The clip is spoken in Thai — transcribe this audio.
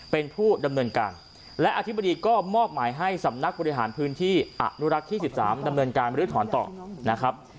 เป็นผู้ดำเนินการและอธิบดีก็มอบหมายให้สำนักบริหารพื้นที่อนุรักษ์ที่๑๓ดำเนินการบรื้อถอนต่อนะครับ